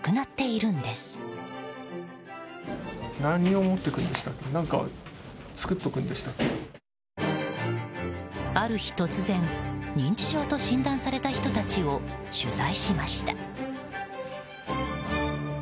ある日突然、認知症と診断された人たちを取材しました。